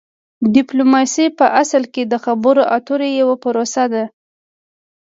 ډیپلوماسي په اصل کې د خبرو اترو یوه پروسه ده